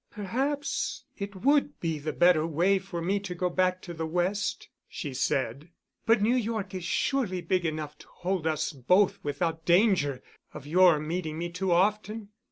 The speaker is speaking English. "Perhaps it would be the better way for me to go back to the West," she said, "but New York is surely big enough to hold us both without danger of your meeting me too often.